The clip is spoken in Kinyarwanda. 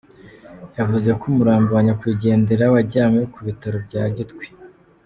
Yavuze ko umurambo wa nyakwigendera wajyanywe ku bitaro bya Gitwe.